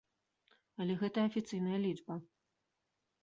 Але гэта афіцыйная лічба.